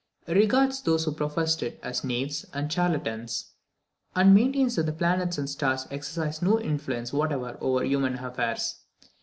He regards those who professed it as knaves and charlatans; and maintains that the planets and stars exercise no influence whatever over human affairs.